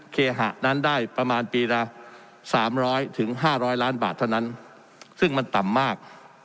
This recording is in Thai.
เคหะนั้นได้ประมาณปีละสามร้อยถึงห้าร้อยล้านบาทเท่านั้นซึ่งมันต่ำมาก